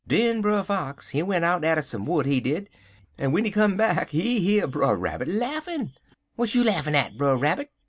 Den Brer Fox, he went out atter some wood, he did, en w'en he come back he hear Brer Rabbit laughin'. "'W'at you laughin' at, Brer Rabbit?'